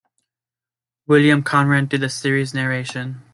William Conrad did the series narration.